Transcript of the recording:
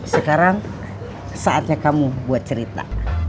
sekarang saatnya kamu buat cerita